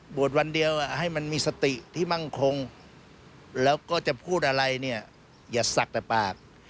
วันเดียวให้มันมีสติที่มั่งคงแล้วก็จะพูดอะไรเนี่ยอย่าศักดิ์แต่ปาก